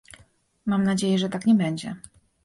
Mam nadzieję, że tak nie będzie